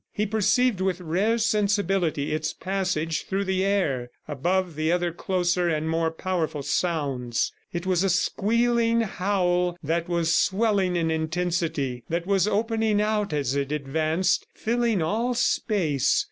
He perceived with rare sensibility its passage through the air, above the other closer and more powerful sounds. It was a squealing howl that was swelling in intensity, that was opening out as it advanced, filling all space.